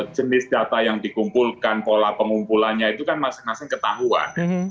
jenis data yang dikumpulkan pola pengumpulannya itu kan masing masing ketahuan